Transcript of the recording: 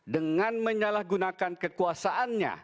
dengan menyalahgunakan kekuasaannya